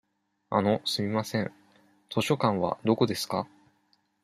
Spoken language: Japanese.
あの、すみません。図書館はどこですか。